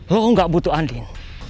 lo gak butuh andin